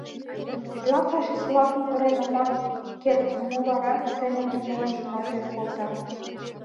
«Тетла фашист-влакым кырен омак керт мо вара?» — семынже нелын шоналтен колта.